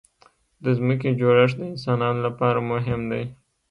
د ځمکې جوړښت د انسانانو لپاره مهم دی.